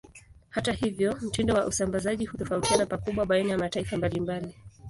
Hata hivyo, mtindo wa usambazaji hutofautiana pakubwa baina ya mataifa mbalimbali.